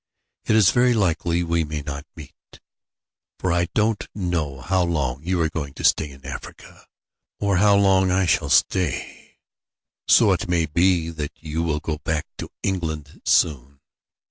It is very likely we may not meet, for I don't know how long you are going to stay in Africa, or how long I shall stay, so it may be that you will go back to England soon.